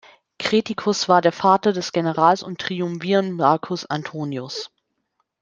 Creticus war der Vater des Generals und Triumvirn Marcus Antonius.